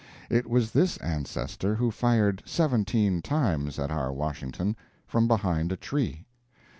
It was this ancestor who fired seventeen times at our Washington from behind a tree.